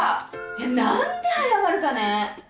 いや何で謝るかね？